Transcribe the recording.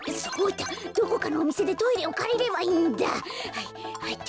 はいはいっと。